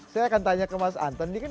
saya akan tanya ke mas anton ini kan